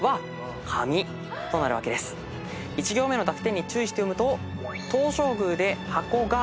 １行目の濁点に注意して読むと。